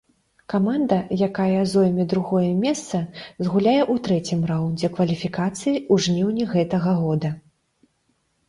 Каманда, якая зойме другое месца, згуляе ў трэцім раўндзе кваліфікацыі ў жніўні гэтага года.